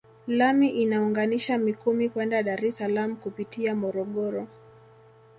Lami inaunganisha Mikumi kwenda Dar es Salaam kupitia Morogoro